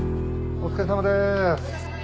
お疲れさまです。